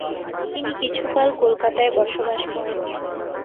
তিনি কিছুকাল কলকাতায় বসবাস করেন।